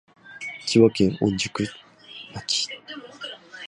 千葉県御宿町